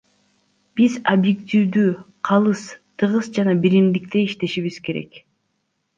Биз объективдүү, калыс, тыгыз жана биримдикте иштешибиз керек.